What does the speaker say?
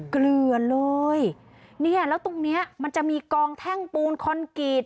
เกลือเลยเนี่ยแล้วตรงเนี้ยมันจะมีกองแท่งปูนคอนกรีต